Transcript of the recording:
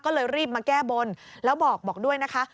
ก็เลยรีบมาแก้บนแล้วบอกด้วยนะคะ